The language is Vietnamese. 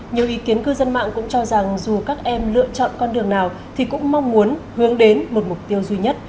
nhiều ý kiến cư dân mạng cũng cho rằng dù các em lựa chọn con đường nào thì cũng mong muốn hướng đến một mục tiêu duy nhất